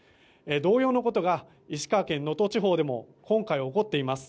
同様のことが石川県能登地方でも今回、起こっています。